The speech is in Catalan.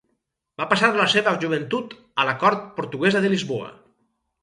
Va passar la seva joventut a la cort portuguesa de Lisboa.